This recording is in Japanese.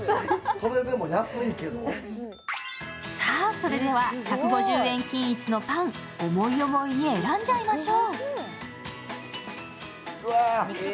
それでは１５０円均一のパン思い思いに選んじゃいましょう。